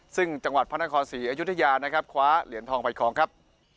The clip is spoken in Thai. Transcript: ซึ่งจังหวัดพระนคร๔อายุธยาคว้าเหรียญทองใบของครับ